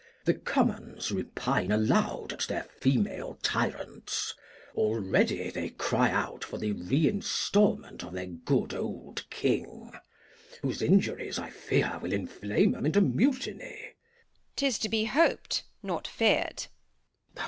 The Commons repine aloud at their female Tyrants, already they cry out for the Re Instalment of their good old King, whose Injuries, I fear, will inflame 'em into Mutiny. Bast. 'Tis to be hop'd, not fear'd.